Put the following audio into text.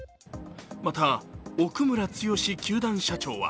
また奧村剛球団社長は